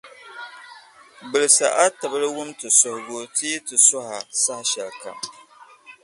gbilisi a tibili wum ti suhigu ti yi ti suhi a saha shɛlikam.